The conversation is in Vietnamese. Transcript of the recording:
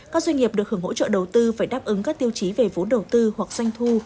các doanh nghiệp được hưởng hỗ trợ đầu tư phải đáp ứng các tiêu chí về vốn đầu tư hoặc doanh thu